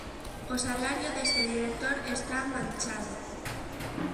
O salario deste director está manchado.